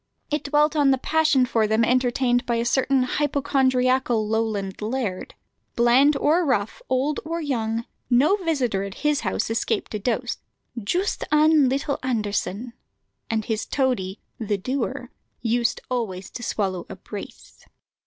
It dwelt on the passion for them entertained by a certain hypochondriacal Lowland laird. Bland or rough, old or young, no visitor at his house escaped a dose "joost ane leetle Anderson;" and his toady "the doer" used always to swallow a brace.